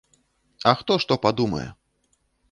А хто што падумае?